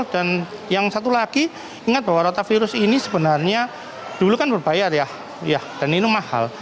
dan yang satu lagi ingat bahwa rotavirus ini sebenarnya dulu kan berbayar ya dan ini mahal